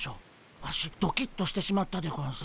ワシドキッとしてしまったでゴンス。